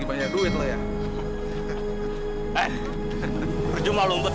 eh tunggu tunggu